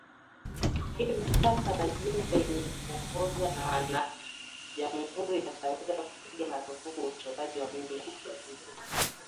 hivi sasa majimbo yenye kuongozwa na Wana jamuhuri yataweza kupiga marufuku utowaji mimba